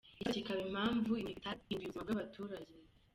Ikibazo kikaba impamvu imihigo itahinduye ubuzima bw’abaturage.